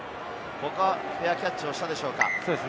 フェアキャッチしたでしょうか？